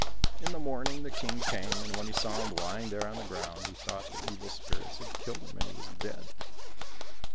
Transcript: In the morning the King came, and when he saw him lying there on the ground, he thought the evil spirits had killed him and he was dead.